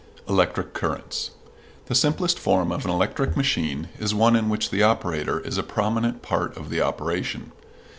ELECTRIC CURRENTS. The simplest form of an electric machine is one in which the operator is a prominent part of the operation.